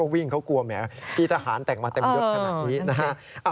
พี่ทหารแต่งมาเต็มยุทธ์ขนาดนี้